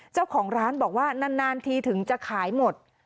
เจ้าของร้านบอกว่านานทีถึงจะขายหมด